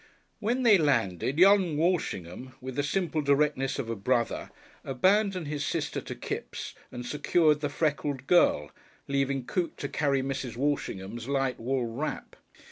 When they landed young Walshingham, with the simple directness of a brother, abandoned his sister to Kipps and secured the freckled girl, leaving Coote to carry Mrs. Walshingham's light wool wrap.